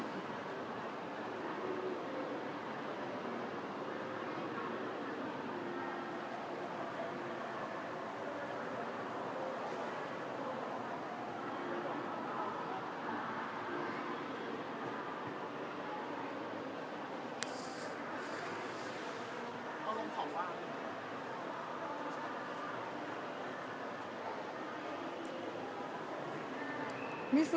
เดี๋ยวจะให้ดูว่าค่ายมิซูบิชิเป็นอะไรนะคะ